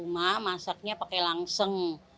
masaknya pakai langseng